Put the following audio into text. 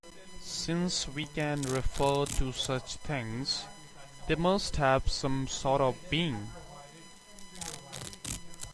Since we can refer to such things, they must have some sort of being.